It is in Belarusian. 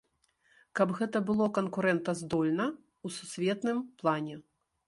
Каб гэта было канкурэнтаздольна ў сусветным плане.